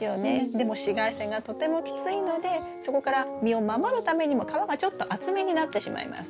でも紫外線がとてもきついのでそこから実を守るためにも皮がちょっと厚めになってしまいます。